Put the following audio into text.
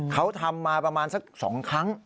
เขาทำมาประมาณสัก๒ครั้ง